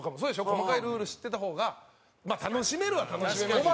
細かいルール知ってた方が楽しめるは楽しめますよね。